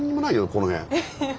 この辺。